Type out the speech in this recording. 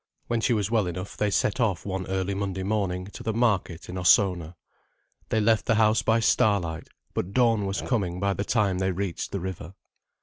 When she was well enough they set off one early Monday morning to the market in Ossona. They left the house by starlight, but dawn was coming by the time they reached the river.